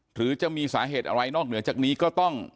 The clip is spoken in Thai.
หรือจะมีสาเหตุอะไรนอกเหนือจากนี้ก็ต้อง